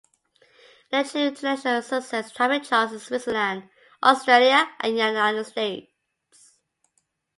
It achieved international success, topping charts in Switzerland, Australia, and the United States.